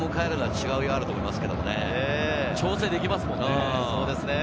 調整できますものね。